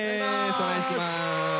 お願いします。